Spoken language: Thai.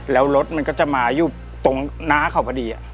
แล้วรถมันก็จะมาอยู่ตรงหน้าเขาพอดี